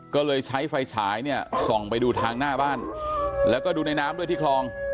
ก็เลยใช้ไฟฉายเนี่ยส่องไปดูทางหน้าบ้านแล้วก็ดูในน้ำด้วยที่คลอง